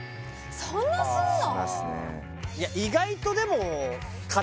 そんなすんの？